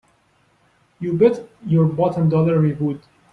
You bet your bottom dollar we would!